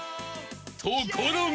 ［ところが］